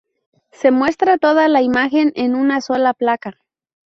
Se muestra toda la imagen en una sola placa.